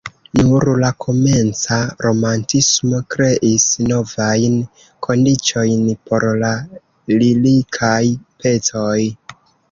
Nur la komenca romantismo kreis novajn kondiĉojn por la lirikaj pecoj.